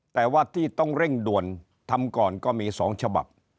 แต่ว่าที่ต้องเร่งด่วนทำก่อนก็มี๒ฉบับ